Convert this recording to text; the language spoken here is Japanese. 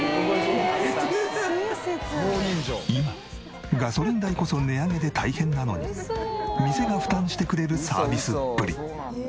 今ガソリン代こそ値上げで大変なのに店が負担してくれるサービスっぷり。